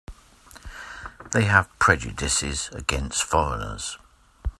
They have prejudices against foreigners.